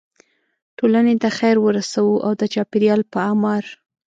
ټولنې ته خیر ورسوو او د چاپیریال په اعمار.